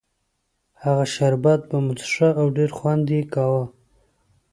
هغه شربت به مو څښه او ډېر خوند یې کاوه.